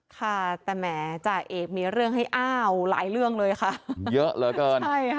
ค่ะแต่แหมจ่าเอกมีเรื่องให้อ้าวหลายเรื่องเลยค่ะเยอะเหลือเกินใช่ค่ะ